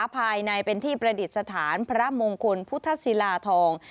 ภายในเป็นที่ประดิษฐานพระมงคลพุทธศิลาทอง